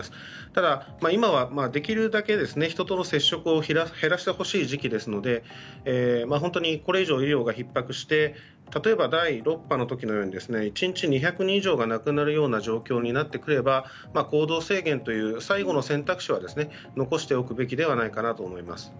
ただ、今はできるだけ人との接触を減らしてほしい時期ですので本当にこれ以上医療がひっ迫して例えば第６波の時のように１日２００人以上が亡くなるような状況になってくれば行動制限という最後の選択肢は残しておくべきではないかなと思います。